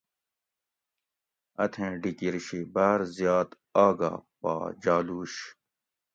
اتھیں ڈیکیر شی باۤر زیات آگہ پا جالُوش